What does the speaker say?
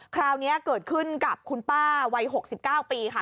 คราวนี้เกิดขึ้นกับคุณป้าวัย๖๙ปีค่ะ